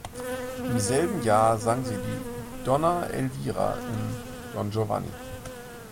Im selben Jahr sang sie die „Donna Elvira“ im "Don Giovanni".